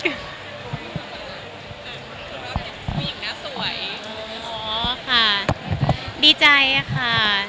อ๋อค่ะดีใจค่ะ